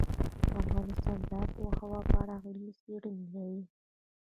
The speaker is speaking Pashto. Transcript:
افغانستان د آب وهوا په اړه علمي څېړنې لري.